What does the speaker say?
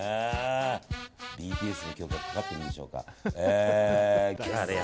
ＢＴＳの曲かかってるんでしょうかね。